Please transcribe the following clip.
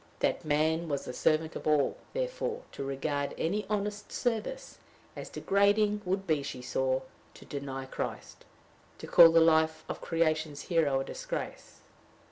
That man was the servant of all; therefore, to regard any honest service as degrading would be, she saw, to deny Christ, to call the life of creation's hero a disgrace.